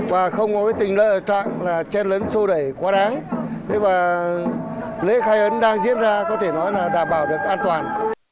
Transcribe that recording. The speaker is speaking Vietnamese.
và không có tình trạng là chen lấn xô đẩy quá đáng lễ khai ấn đang diễn ra có thể nói là đảm bảo được an toàn